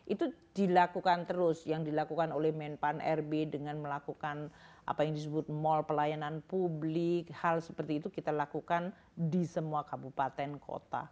itu dilakukan terus yang dilakukan oleh menpan rb dengan melakukan apa yang disebut mall pelayanan publik hal seperti itu kita lakukan di semua kabupaten kota